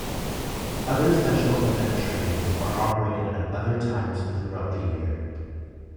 Other special event trains are operated at other times throughout the year.